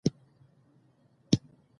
په رشوت کې ورکول کېږي